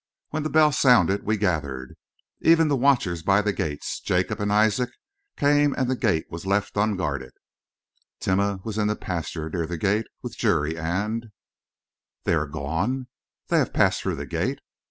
When the bell sounded we gathered. Even the watchers by the the gates Jacob and Isaac came and the gate was left unguarded Timeh was in the pasture near the gate with Juri and " "They are gone! They have passed through the gate!